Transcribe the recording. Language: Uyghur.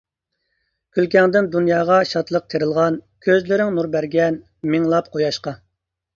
كۈلكەڭدىن دۇنياغا شادلىق تېرىلغان، كۆزلىرىڭ نۇر بەرگەن مىڭلاپ قۇياشقا.